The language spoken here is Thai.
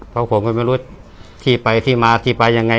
เพราะผมก็ไม่รู้ที่ไปที่มาที่ไปยังไง